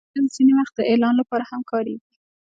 بوتل ځینې وخت د اعلان لپاره هم کارېږي.